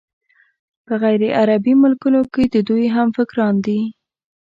په غیرعربي ملکونو کې د دوی همفکران دي.